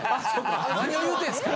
何を言うてんっすか。